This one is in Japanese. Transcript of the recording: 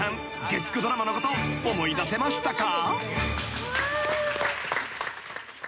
月９ドラマのこと思い出せましたか？］